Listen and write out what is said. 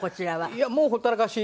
いやもうほったらかし。